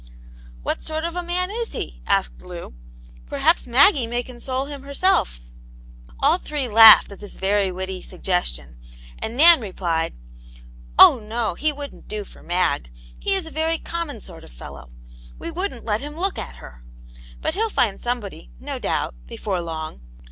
" What sort of a man is he ?" asked Lou. " Pcr haps Maggie may console him Vv^xsdt " Aunt yane^s Hci'O, 45 AH three laughed at this very witty suggestion, .And Nan replied :" Oh, no ! he wouldn't do fot* Mag. He is a very common sort of fellow. We wouldn't let him look at her. But he'll find somebody, no doubt, before long.